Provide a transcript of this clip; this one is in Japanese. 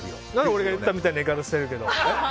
俺が言ったみたいな言い方してるけど。